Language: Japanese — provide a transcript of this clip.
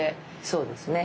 そうですね。